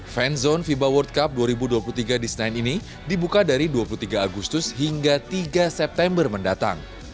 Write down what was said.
fan zone fiba world cup dua ribu dua puluh tiga di senayan ini dibuka dari dua puluh tiga agustus hingga tiga september mendatang